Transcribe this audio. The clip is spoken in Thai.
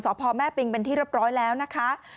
พ่อแม่ปิงเป็นที่เรียบร้อยแล้วนะคะ